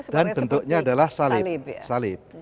dan bentuknya adalah salib